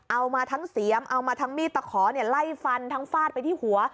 เอามาทั้งเสียมเอามาทั้งมีดตะขอไล่ฟันทั้งฟาดไปที่หัว